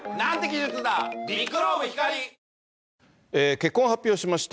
結婚を発表しました、